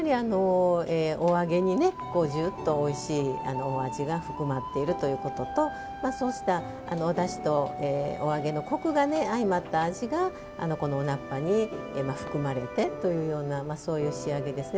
お揚げに、じゅっとおいしいお味が含まっているということとだしとお揚げのコクが相まった味がこの菜っぱに含まれてという仕上げですね。